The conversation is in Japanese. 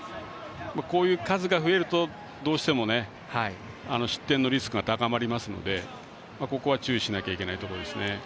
こういう数が増えるとどうしても失点のリスクが高まりますのでここは注意しないといけないところです。